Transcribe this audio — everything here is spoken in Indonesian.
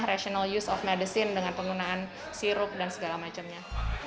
rational use of medicine dengan penggunaan sirup dan segala macamnya